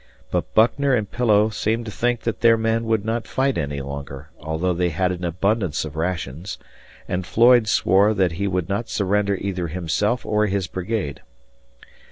But Buckner and Pillow seemed to think that their men would not fight any longer, although they had an abundance of rations, and Floyd swore that he would not surrender either himself or his brigade.